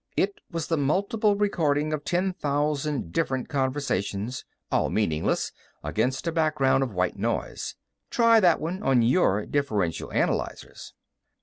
It was the multiple recording of ten thousand different conversations, all meaningless, against a background of "white" noise. Try that one on your differential analyzers.